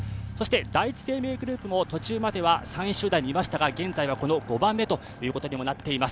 第一生命グループも途中までは３位集団にいましたが、現在はこの５番目ということにもなっています。